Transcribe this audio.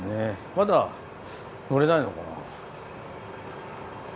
まだ乗れないのかな。